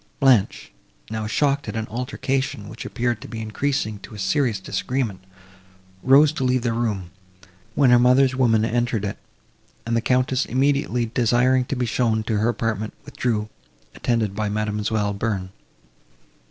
Blanche, now shocked at an altercation, which appeared to be increasing to a serious disagreement, rose to leave the room, when her mother's woman entered it; and the Countess, immediately desiring to be shown to her own apartment, withdrew, attended by Mademoiselle Bearn.